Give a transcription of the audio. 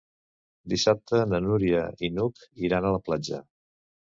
Dissabte na Núria i n'Hug iran a la platja.